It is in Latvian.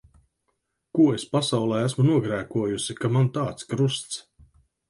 Ko es pasaulē esmu nogrēkojusi, ka man tāds krusts.